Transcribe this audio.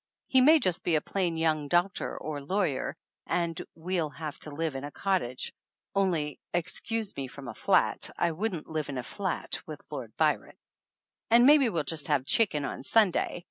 He may be just a plain young doctor or lawyer, and we'll have to live in a cottage (only excuse me from a flat, I wouldn't live in a flat with Lord Byron) and maybe we'll just have chicken on Sunday.